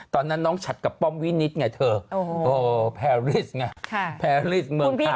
ตอนนั้นน้องฉัดกับป้อมวินิตไงเธอโอ้โหแพรริสไงแพรริสเมืองผ่านไง